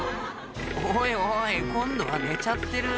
おいおい今度は寝ちゃってる